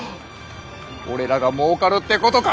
俺らがもうかるってことか？